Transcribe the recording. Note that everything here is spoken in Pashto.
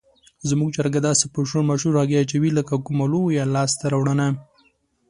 زموږ چرګه داسې په شور ماشور هګۍ اچوي لکه کومه لویه لاسته راوړنه.